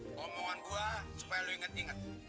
ngomongan gua supaya lu inget inget